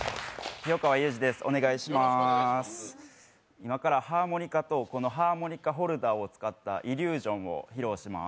今からハーモニカと、このハーモニカホルダーを使ったイリュージョンを披露します。